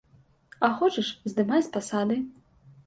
А хочаш, здымай з пасады.